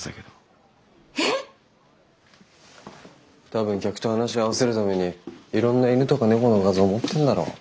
多分客と話を合わせるためにいろんな犬とか猫の画像持ってんだろう。